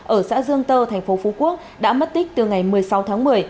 ở xã dương tơ tp phú quốc đã mất tích từ ngày một mươi sáu tháng một mươi